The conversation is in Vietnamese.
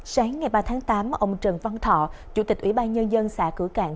sáng ngày ba tháng tám ông trần văn thọ chủ tịch ủy ban nhân dân xã cửa cạn